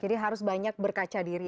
jadi harus banyak berkaca diri